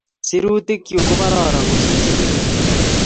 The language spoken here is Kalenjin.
sirutik chu ko kororon kosir che kikosirto